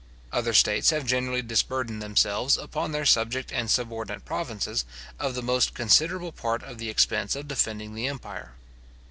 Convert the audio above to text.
Other states have generally disburdened themselves, upon their subject and subordinate provinces, of the most considerable part of the expense of defending the empire.